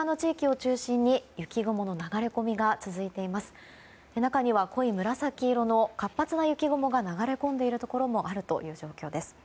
中には濃い紫色の活発な雪雲が流れ込んでいるところもあるという状況です。